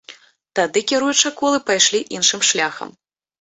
Тады кіруючыя колы пайшлі іншым шляхам.